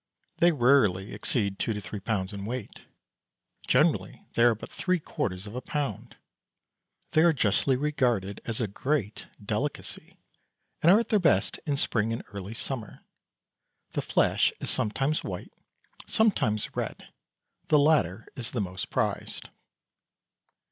They rarely exceed two to three pounds in weight generally they are but three quarters of a pound. They are justly regarded as a great delicacy, and are at their best in spring and early summer. The flesh is sometimes white, sometimes red; the latter is the most prized.